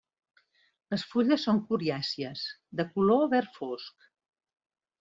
Les fulles són coriàcies, de color verd fosc.